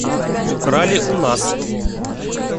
Украли у нас.